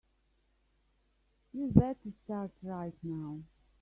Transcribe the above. You'd better start right now.